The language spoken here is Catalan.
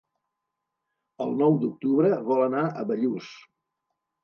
El nou d'octubre vol anar a Bellús.